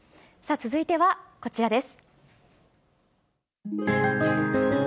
続いてはこちらです。